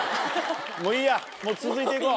もういいやもう続いて行こう。